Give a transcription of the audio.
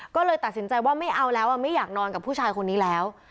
ก็เลยตัดสินใจว่าไม่เอาแล้วไม่อยากนอนกับผู้ชายคนนี้แล้ว